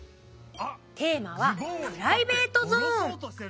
テーマは「プライベートゾーン」。